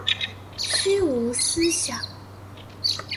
虛無思想